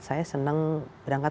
saya senang berangkat